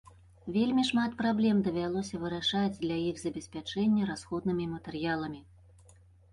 Вельмі шмат праблем давялося вырашаць для іх забеспячэння расходнымі матэрыяламі.